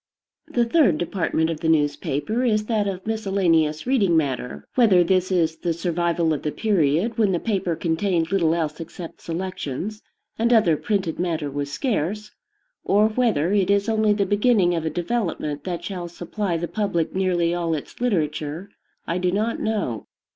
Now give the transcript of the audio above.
The third department of the newspaper is that of miscellaneous reading matter. Whether this is the survival of the period when the paper contained little else except "selections," and other printed matter was scarce, or whether it is only the beginning of a development that shall supply the public nearly all its literature, I do not know.